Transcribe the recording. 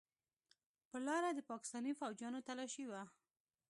پر لاره د پاکستاني فوجيانو تلاشي وه.